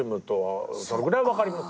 そのぐらい分かりますよ。